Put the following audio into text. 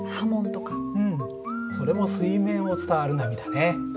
それも水面を伝わる波だね。